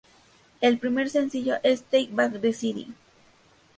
El primer sencillo es "Take Back The City".